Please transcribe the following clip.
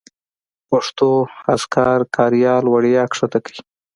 پښتو اذکار کاریال وړیا کښته کړئ